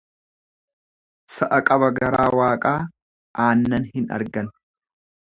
Sa'a qaba garaa waaqaa, aannan hin argan.